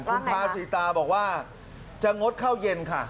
คุณพาศรีตาบอกว่าจะงดเข้าเย็นค่ะ